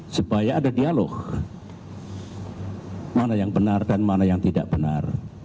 supaya ada dialog mana yang benar dan mana yang tidak benar